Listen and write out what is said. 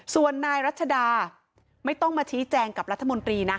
ส่วนนายรัชดาไม่ต้องมาชี้แจงกับรัฐมนตรีนะ